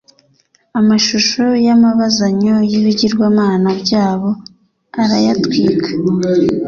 amashusho y'amabazanyo y'ibigirwamana byabo arayatwika